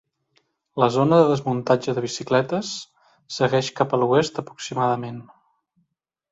La zona de desmuntatge de bicicletes segueix cap a l'oest aproximadament.